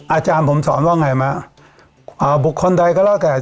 อาจารย์ผมสอนว่าอย่างไรบุคคลใดก็แล้วกัน